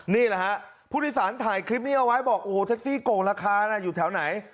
นี่แหละฮะผู้โดยสารถ่ายคลิปนี้เอาไว้บอกโอ้โหแท็กซี่โกงราคาน่ะอยู่แถวไหน